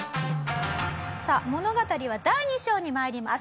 さあ物語は第二章に参ります。